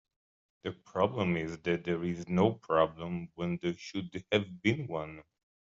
The problem is that there is no problem when there should have been one.